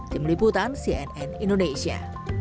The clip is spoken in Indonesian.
tim liputan cnn indonesia